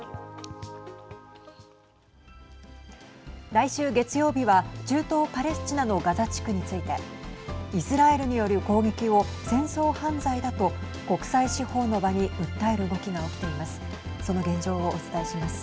来週月曜日は中東パレスチナのガザ地区についてイスラエルによる攻撃を戦争犯罪だと国際司法の場に訴える動きが起きています。